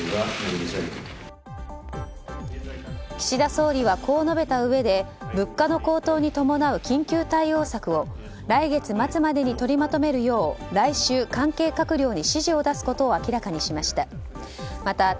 岸田総理はこう述べたうえで物価の高騰に伴う緊急対応策を来月末までに取りまとめるよう来週、関係閣僚に指示を出すことを明らかにしました。